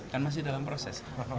kan masih dalam proses